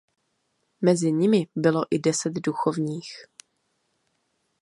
Mezi nimi bylo i deset duchovních.